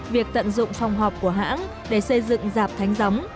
việc tận dụng phòng họp của hãng để xây dựng dạp thánh gióng